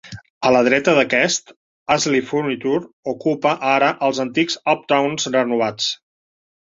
A la dreta d'aquest, Ashley Furniture ocupa ara els antics Uptons renovats.